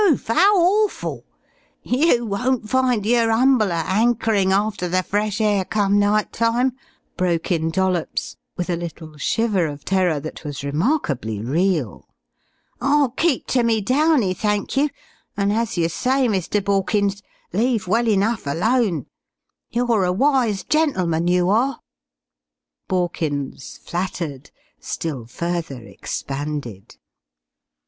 'Ow orful! You won't find yer 'umble a 'ankerin' after the fresh air come night time!" broke in Dollops with a little shiver of terror that was remarkably real. "I'll keep to me downy thank you, an' as you say, Mr. Borkins, leave well enough alone. You're a wise gentleman, you are!" Borkins, flattered, still further expanded.